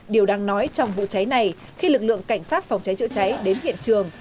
điều đang nói trong vụ cháy này khi lực lượng cảnh sát phòng cháy chữa cháy đến hiện trường